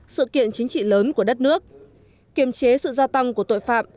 sự kiện chính trị lớn của đất nước kiềm chế sự gia tăng của tội phạm